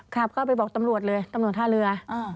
ครับก็ไปบอกตำรวจเลยตำรวจท่าเรือ